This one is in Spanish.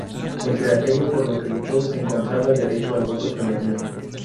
Entre aquello por lo que luchó se encontraba el derecho al voto femenino.